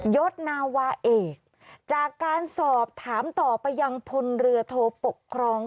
ศนาวาเอกจากการสอบถามต่อไปยังพลเรือโทปกครอง